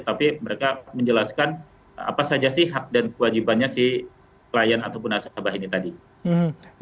tapi mereka menjelaskan apa saja sih hak dan kewajibannya si klien ataupun nasabah ini tadi